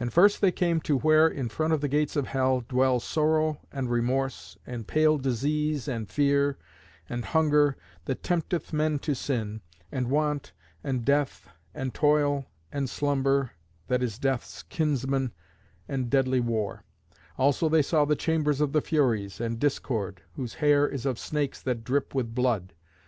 And first they came to where, in front of the gates of hell, dwell Sorrow and Remorse, and pale Disease and Fear, and Hunger that tempteth men to sin, and Want, and Death, and Toil, and Slumber, that is Death's kinsman, and deadly War; also they saw the chambers of the Furies, and Discord, whose hair is of snakes that drip with blood.